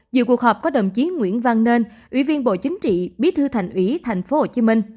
dự cuộc họp có đồng chí nguyễn văn nên ủy viên bộ chính trị bí thư thành ủy tp hcm